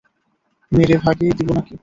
মেরে ভাগিয়ে দিবো নাকি?